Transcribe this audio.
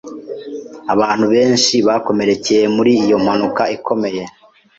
Abantu benshi bakomerekeye muri iyo mpanuka ikomeye.